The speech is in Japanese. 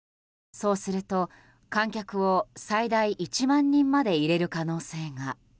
そうすると観客を最大１万人まで入れる可能性が。